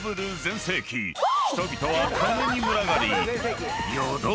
［人々は金に群がり］